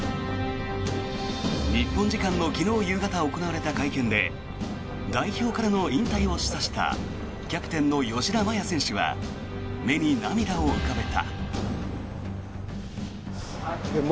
日本時間の昨日夕方行われた会見で代表からの引退を示唆したキャプテンの吉田麻也選手は目に涙を浮かべた。